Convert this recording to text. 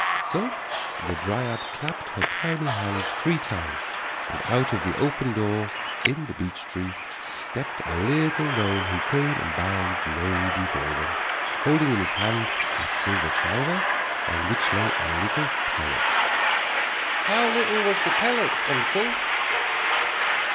So the dryad clapped her tiny hands three times, and out of the open door into the beech tree stepped a little gnome who came and bowed low before them, holding in his hands a silver salver on which lay a little pellet. "How little was the pellet, uncle?"